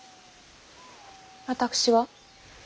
私は。